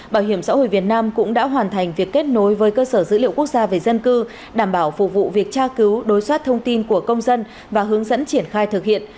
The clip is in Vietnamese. bảo hiểm xã hội việt nam cũng đã hoàn thành việc kết nối với cơ sở dữ liệu quốc gia về dân cư đảm bảo phục vụ việc tra cứu đối soát thông tin của công dân và hướng dẫn triển khai thực hiện